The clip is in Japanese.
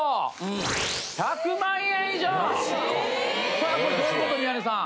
さあこれどういうこと宮根さん。